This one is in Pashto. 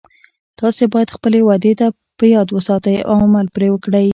تاسې باید خپلې وعدې په یاد وساتئ او عمل پری وکړئ